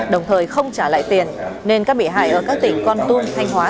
đồng thời không trả lại tiền nên các bị hại ở các tỉnh con tum thanh hóa